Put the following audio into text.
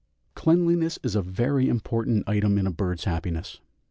Cleanliness is a very important item in a bird's happiness.